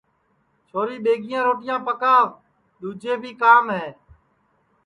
چھوری ٻیگی روٹیاں پکا دؔوجے بی کام ہے